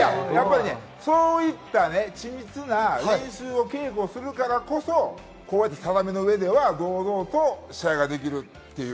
そういった緻密な練習を稽古するからこそ畳の上では堂々と試合ができるという。